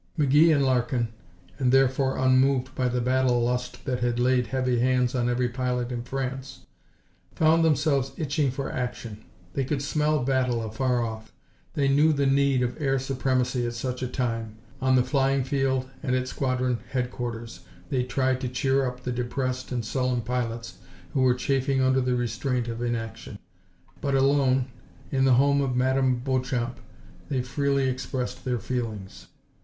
McGee and Larkin, though supposed to be instructors and therefore unmoved by the battle lust that had laid heavy hands on every pilot in France, found themselves itching for action. They could smell battle afar off; they knew the need of air supremacy at such a time. On the flying field, and at squadron headquarters, they tried to cheer up the depressed and sullen pilots who were chafing under the restraint of inaction. But alone, in the home of Madame Beauchamp, they freely expressed their feelings.